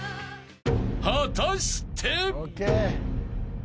［果たして？］